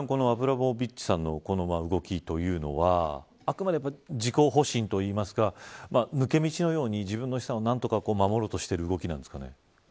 アブラモビッチさんのこの動きはあくまで自己保身といいますか抜け道のように自分の資産を何とか守ろうとしている動きなんですかね。